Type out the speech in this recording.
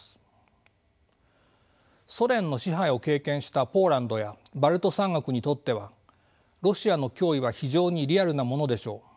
ソ連の支配を経験したポーランドやバルト三国にとってはロシアの脅威は非常にリアルなものでしょう。